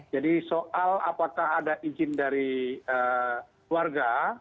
jadi soal apakah ada izin dari keluarga